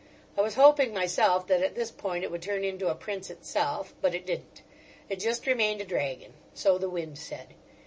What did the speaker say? I was hoping myself that at this point it would turn into a prince itself, but it didn't; it just remained a dragon—so the wind said.